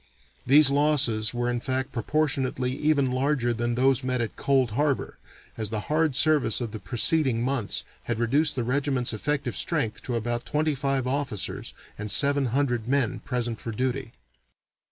These losses were in fact proportionately even larger than those met with at Cold Harbor, as the hard service of the preceding months had reduced the regiment's effective strength to about twenty five officers and seven hundred men present for duty.